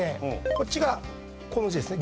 こっちがこの字ですね。